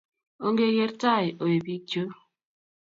Ongeker taa wei pik chu